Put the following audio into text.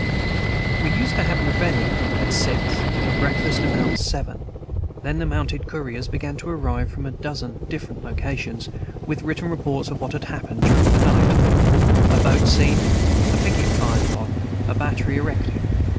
We used to have reveille at six, and breakfast about seven; then the mounted couriers began to arrive from half a dozen different directions, with written reports of what had happened during the night, a boat seen, a picket fired upon, a battery erecting.